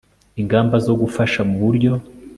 ingamba zo gufasha mu buryo